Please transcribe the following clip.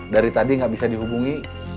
dari tadi nggak bisa dihubungi